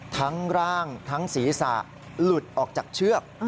ทั้งร่างทั้งศีรษะหลุดออกจากเชือก